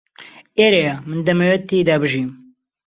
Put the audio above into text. ئێرەیە من دەمەوێت تێیدا بژیم.